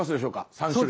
３種類。